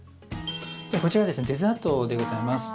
こちらはデザートでございます。